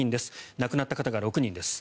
亡くなった方が６人です。